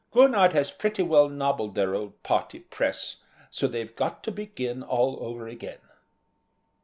Gurnard has pretty well nobbled their old party press, so they've got to begin all over again."